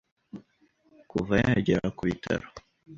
kuva yagera ku Bitaro